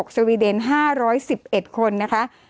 สวีเดน๕๑๑คนนะคะ